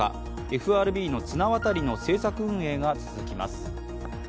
ＦＲＢの綱渡りの政策運営が続きます。